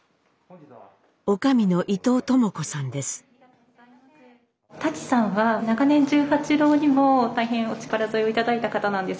女将の舘さんは長年十八楼にも大変お力添えを頂いた方なんです。